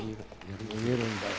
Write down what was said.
脱げるんだよ。